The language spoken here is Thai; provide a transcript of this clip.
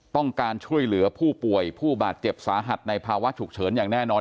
ต้องการช่วยเหลือผู้ป่วยผู้บาดเจ็บสาหัสในภาวะฉุกเฉินอย่างแน่นอน